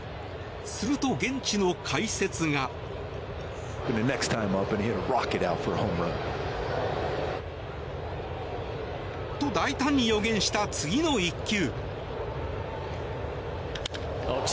すると現地の解説が。と、大胆に予言した次の１球。